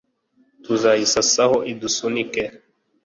Tuzayisasaho idusunike